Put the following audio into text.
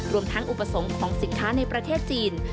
รวมทั้งอุปสรรคของสินค้าในประเทศจีน